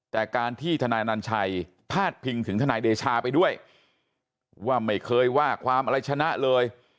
แต่การที่ทนายอนัญชัยพาดพิงถึงทนายเดชาไปด้วยว่าไม่เคยว่าความอะไรชนะเลย